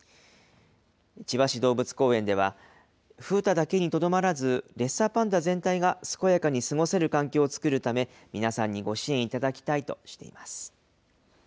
千葉市動物公園では、風太だけにとどまらず、レッサーパンダ全体が健やかに過ごせる環境を作るため、皆さんにご支援いただきたいとしています。